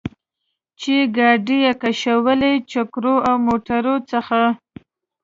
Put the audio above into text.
چې ګاډۍ یې کشولې، قچرو او موټرو څخه.